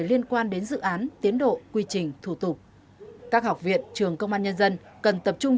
liên quan đến dự án tiến độ quy trình thủ tục các học viện trường công an nhân dân cần tập trung